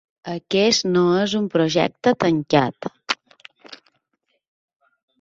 Aquest, no és un projecte tancat.